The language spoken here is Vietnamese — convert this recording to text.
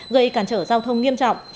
gây cản trở giao thông nghiêm trọng